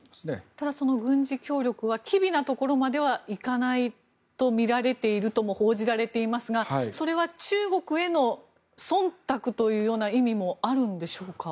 ただ、その軍事協力は機微なところまではいかないとみられているとも報じられていますがそれは中国へのそんたくというような意味もあるんでしょうか。